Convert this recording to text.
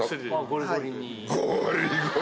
ゴリゴリに！？